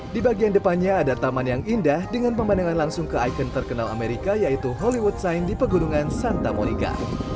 di bagian depannya ada taman yang indah dengan pemandangan langsung ke ikon terkenal amerika yaitu hollywood sign di pegunungan santa monica